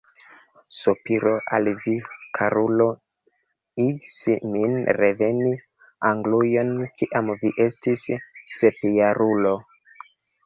Sopiro al vi, karulo, igis min reveni Anglujon, kiam vi estis sepjarulo.